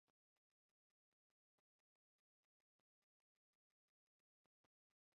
Kian strangan sonĝon vi havis? Diru al mi!